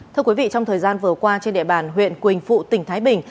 thưa quý vị trong thời gian vừa qua trên địa bàn huyện quỳnh phụ tỉnh thái bình